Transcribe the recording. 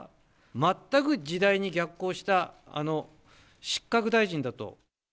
全く時代に逆行した、失格大臣だと。